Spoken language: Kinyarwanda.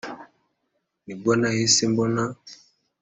nibwo nahise mbona,